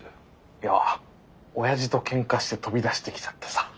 いやおやじとケンカして飛び出してきちゃってさ。